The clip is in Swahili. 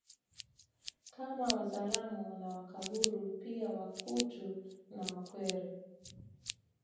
Kama Wazaramo na Wakaguru pia Wakutu na Wakwere